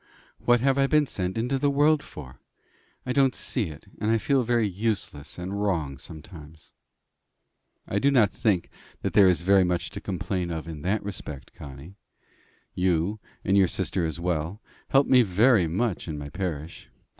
What have I been sent into the world for? I don't see it; and I feel very useless and wrong sometimes." "I do not think there is very much to complain of you in that respect, Connie. You, and your sister as well, help me very much in my parish.